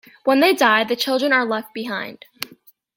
When they die, the children are left behind.